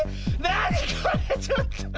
なにこれ⁉ちょっと。